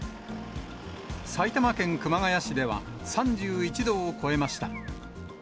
埼玉県熊谷市では３１度を超えました。